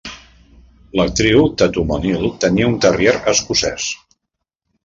L'actriu Tatum O'Neal tenia un terrier escocès.